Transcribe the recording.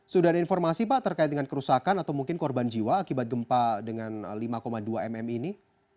sudah ada informasi pak terkait dengan kerusakan atau mungkin korban jiwa akibat gempa dengan lima dua mm ini